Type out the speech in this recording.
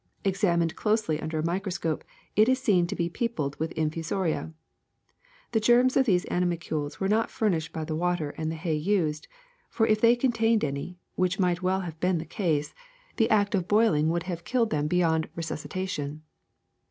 Examined closely under a microscope, it is seen to be peopled with infusoria. The germs of these animalcules were not furnished by the water and hay used, for if they contained any, which might well have been the case, 316 THE SECRET OF EVERYDAY THINGS the act of boiling would have killed them beyond resuscitation.